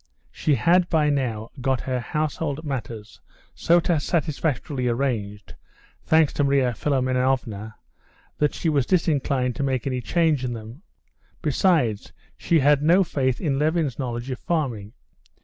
She had by now got her household matters so satisfactorily arranged, thanks to Marya Philimonovna, that she was disinclined to make any change in them; besides, she had no faith in Levin's knowledge of farming.